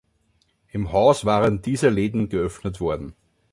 Im Haus waren diese Läden geöffnet worden.